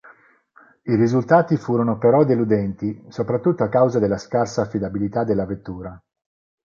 I risultati furono però deludenti, soprattutto a causa della scarsa affidabilità della vettura.